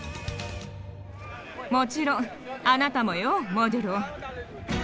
もちろんあなたもよモドゥロー。